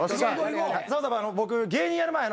僕芸人やる前。